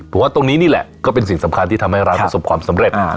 ผมว่าตรงนี้นี่แหละก็เป็นสิ่งสำคัญที่ทำให้ร้านประสบความสำเร็จ